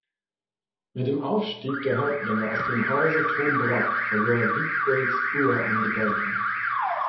Mit dem Aufstieg der Häuptlinge aus dem Hause tom Brok verlor Wiegboldsbur an Bedeutung.